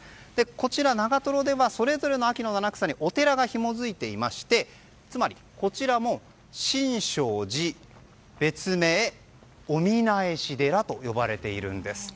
こちら長瀞ではそれぞれの秋の七草にお寺がひもづいていましてつまりこちらの真性寺別名オミナエシ寺と呼ばれているんです。